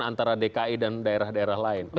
antara dki dan daerah daerah lain